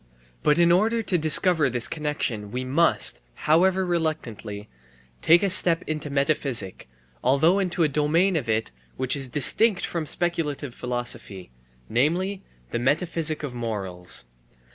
But in order to discover this connexion we must, however reluctantly, take a step into metaphysic, although into a domain of it which is distinct from speculative philosophy, namely, the metaphysic of morals.